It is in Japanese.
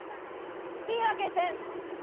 言い訳せん！